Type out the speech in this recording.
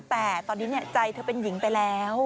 แต่ตอนนี้ใจเธอเป็นหญิงไปแล้ว